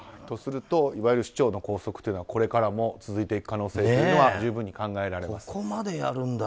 とするといわゆる市長の拘束はこれからも続いていく可能性は十分に考えられます。